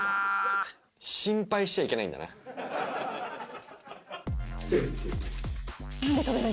心配しちゃいけないんだな。